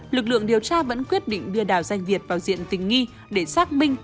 lực lượng điều tra vẫn quyết định đưa đào danh việt vào diện tình nghi để xác minh